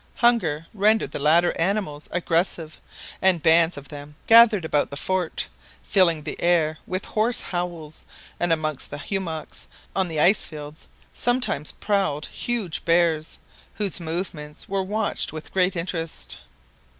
Hunger rendered the latter animals aggressive, and bands of them gathered about the fort, filling the air with hoarse howls, and amongst the " hummocks " on the ice fields sometimes prowled huge bears, whose movements were watched with great interest.